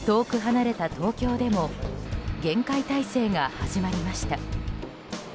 遠く離れた東京でも厳戒態勢が始まりました。